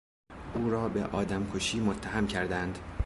او را به آدم کشی متهم کردند.